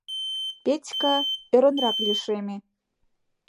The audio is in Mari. — Петька ӧрынрак лишеме.